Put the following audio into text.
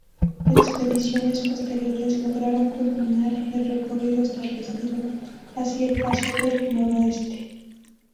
Expediciones posteriores lograron culminar el recorrido estableciendo así el Paso del Noroeste.